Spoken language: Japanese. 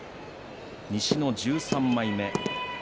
西の１３枚目。